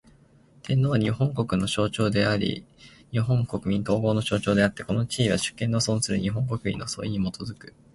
天皇は、日本国の象徴であり日本国民統合の象徴であつて、この地位は、主権の存する日本国民の総意に基く。